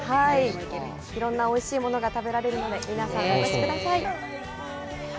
いろんなおいしいものが食べられるので、皆さん、お越しください。